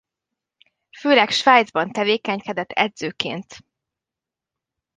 Főleg Svájcban tevékenykedett edzőként.